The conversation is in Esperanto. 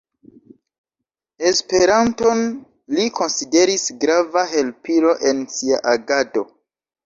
Esperanton li konsideris grava helpilo en sia agado.